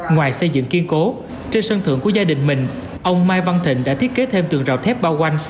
ngoài xây dựng kiên cố trên sân thượng của gia đình mình ông mai văn thịnh đã thiết kế thêm tường rào thép bao quanh